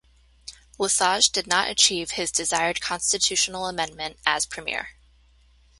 Lesage did not achieve his desired constitutional amendment as premier.